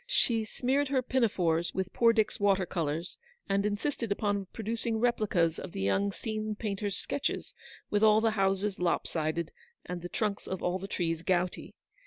She smeared her pinafores with poor Dick's water colours, and insisted upon producing replicas of the young scene painter's sketches, with all the houses lop sided, and the trunks of all the trees gouty.